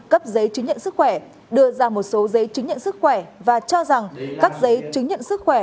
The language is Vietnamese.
cấp giấy chứng nhận sức khỏe đưa ra một số giấy chứng nhận sức khỏe và cho rằng các giấy chứng nhận sức khỏe